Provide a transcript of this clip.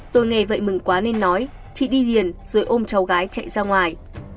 tôi nghe vậy mừng quá nên nói chị đi liền rồi ôm cháu gái chạy ra ngoài